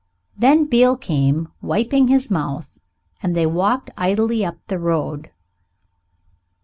Then Beale came, wiping his mouth, and they walked idly up the road.